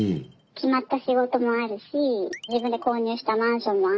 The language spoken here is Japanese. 決まった仕事もあるし自分で購入したマンションもあって。